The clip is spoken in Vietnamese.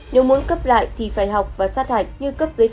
nếu muốn cấp lại thì phải học và sát hạch